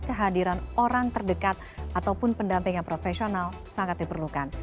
kehadiran orang terdekat ataupun pendampingan profesional sangat diperlukan